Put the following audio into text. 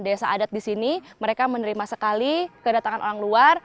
jadi orang luar yang ada di sini mereka menerima sekali kedatangan orang luar